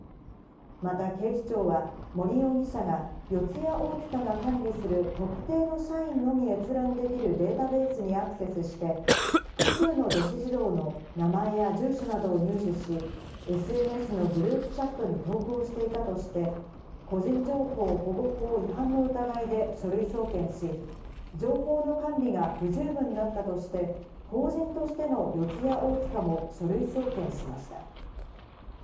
また警視庁は、森容疑者が四谷大塚が管理する特定の社員のみ閲覧できるデータベースにアクセスして、複数の女子児童の名前や住所などを入手し、ＳＮＳのグループチャットに投稿していたとして個人情報保護法違反の疑いで書類送検し、情報の管理が不十分だったとして、法人としての四谷大塚も書類送検しました。